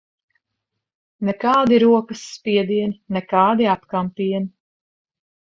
Nekādi rokas spiedieni, nekādi apkampieni.